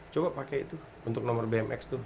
coba pakai itu untuk nomor bmx tuh